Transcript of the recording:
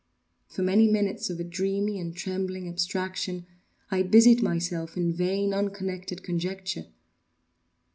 For many minutes of a dreamy and trembling abstraction, I busied myself in vain, unconnected conjecture.